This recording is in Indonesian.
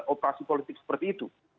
operasi politik seperti itu